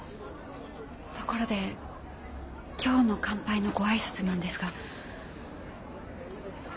ところで今日の乾杯のご挨拶なんですが。